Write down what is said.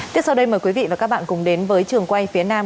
tiếp sau đây mời quý vị và các bạn cùng đến với trường quay phía nam